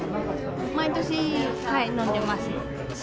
毎年飲んでいます。